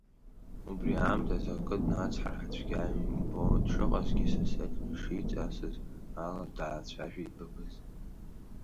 Убри аамҭазы акы днацҳар цәгьа имбо дшыҟазгьы, сасык ишиҵасыз ала даацәажәеит Бабыз.